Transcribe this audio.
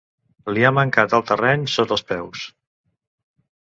Li ha mancat el terreny sota els peus.